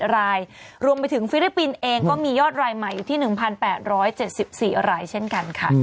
รายรวมไปถึงฟิลิปปินส์เองก็มียอดรายใหม่อยู่ที่๑๘๗๔รายเช่นกันค่ะ